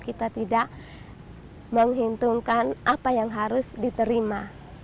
kita tidak menghitungkan apa yang harus diterima